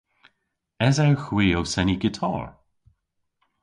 Esewgh hwi ow seni gitar?